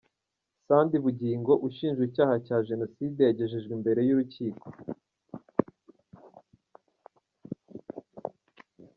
Sadi Bugingo ushinjwa icyaha cya jenoside yagejejwe imbere y’Urukiko